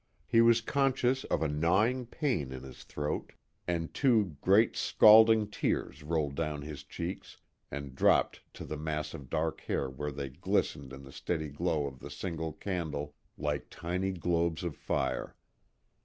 He was conscious of a gnawing pain in his throat, and two great scalding tears rolled down his cheeks and dropped to the mass of dark hair where they glistened in the steady glow of the single candle like tiny globes of fire.